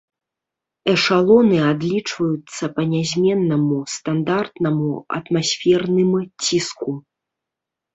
Эшалоны адлічваюцца па нязменнаму стандартнаму атмасферным ціску.